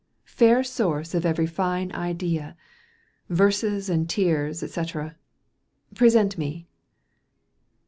Fair source of every fine idea. Verses and tears et cetera. Present me."